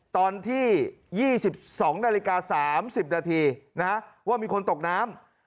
วันที่๒๒นาฬิกา๓๐นาทีว่ามีคนตกน้ำ